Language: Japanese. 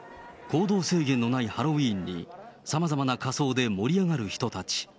行動制限のないハロウィーンにさまざまな仮装で盛り上がる人たち。